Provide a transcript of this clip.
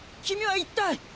君はいったい。